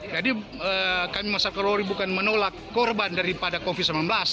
kami masyarakat polri bukan menolak korban daripada covid sembilan belas